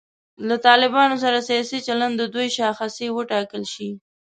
له طالبانو سره سیاسي چلند د دوی شاخصې وټاکل شي.